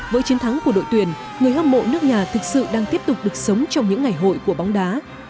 với chiến thắng của đội tuyển người hâm mộ nước nhà thực sự đang tiếp tục được sống trong những ngày hội của bóng đá